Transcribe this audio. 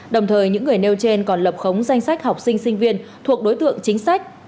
đồng thời những người nêu trên còn lập khống danh sách học sinh sinh viên thuộc đối tượng chính sách